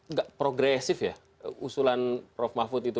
nggak progresif ya usulan prof mahfud itu